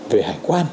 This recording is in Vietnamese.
về hải quan